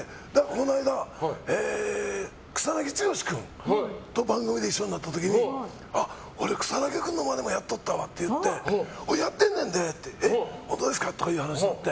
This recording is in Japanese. この間、草なぎ剛君と番組で一緒になった時に俺、草なぎ君のマネもやっとったわって言ってやってんねんでって言って本当ですかっていう話になって。